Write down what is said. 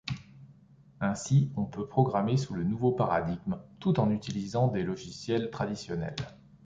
Ainsi, on peut programmer sous le nouveau paradigme tout en utilisant des logiciels traditionnels.